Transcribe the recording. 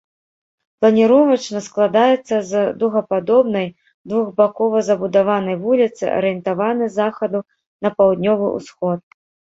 Планіровачна складаецца з дугападобнай двухбакова забудаванай вуліцы, арыентаванай з захаду на паўднёвы ўсход.